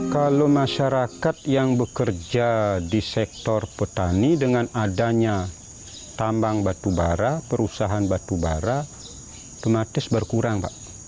kalau masyarakat yang bekerja di sektor petani dengan adanya tambang batu barat perusahaan batu barat tematis berkurang